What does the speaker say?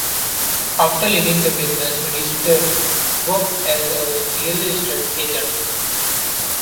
After leaving the business, Richter worked as a real estate agent.